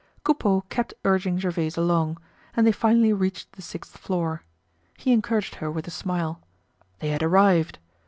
Coupeau kept urging Gervaise along, and they finally reached the sixth floor. He encouraged her with a smile; they had arrived!